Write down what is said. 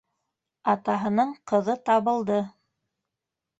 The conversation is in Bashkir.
Атаһының ҡыҙы табылды.